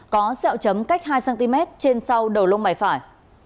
có xeo chấm cách hai cm trên sau đầu lông mày phải